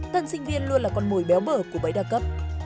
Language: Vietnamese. tân sinh viên luôn là con mồi béo bở của bấy đa cấp